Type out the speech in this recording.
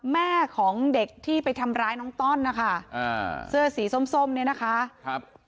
แม่ของเด็กที่ไปทำร้ายน้องต้อนนะคะอ่าเสื้อสีส้มส้มเนี่ยนะคะครับ